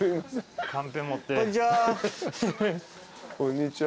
こんにちは。